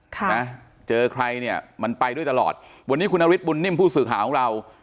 ค่ะนะเจอใครเนี่ยมันไปด้วยตลอดวันนี้คุณนฤทธบุญนิ่มผู้สื่อข่าวของเรา